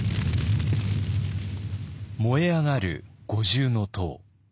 燃え上がる五重塔。